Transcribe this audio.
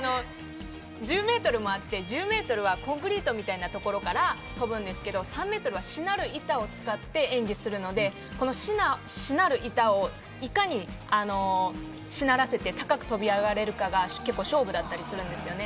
１０ｍもあって１０ｍはコンクリートみたいなところから飛ぶんですけど、３ｍはしなる板を使って演技するので、このしなる板をいかにしならせて、高く飛び上がれるかが勝負だったりするんですよね。